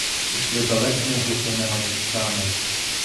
Ішли далекими глухими манівцями.